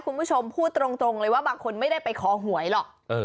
คุณผู้ชมพูดตรงเลยว่าบางคนไม่ได้ไปขอหวยหรอก